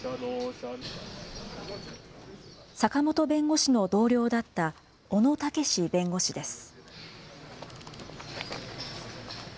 坂本弁護士の同僚だった小野毅弁護士です。